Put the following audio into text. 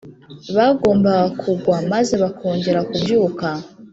Bagombaga kugwa, maze bakongera kubyuka.